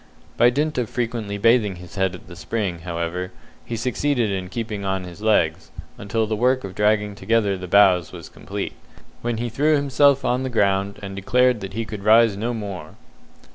By dint of frequently bathing his head at the spring, however, he succeeded in keeping on his legs, until the work of dragging together the boughs was completed, when he threw himself on the ground, and declared that he could rise no more.